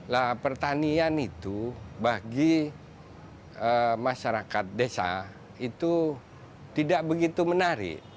nah pertanian itu bagi masyarakat desa itu tidak begitu menarik